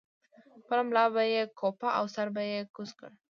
خپله ملا به یې کوپه او سر به یې کوز کړ.